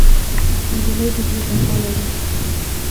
نجلۍ د زړه صفا لري.